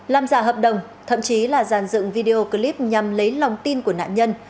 làm giả hợp đồng thậm chí là giàn dựng video clip nhằm lấy lòng tin của nạn nhân